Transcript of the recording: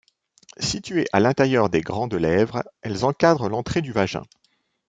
Situées à l’intérieur des grandes lèvres, elles encadrent l’entrée du vagin.